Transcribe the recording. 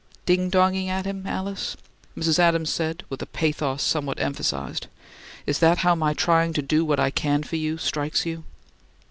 "'Ding donging at him,' Alice?" Mrs. Adams said, with a pathos somewhat emphasized. "Is that how my trying to do what I can for you strikes you?"